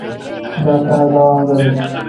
دا کار دوام لري.